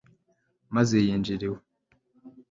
maze yinjira iwe